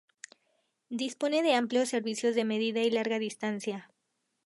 Dispone de amplios servicios de media y larga distancia.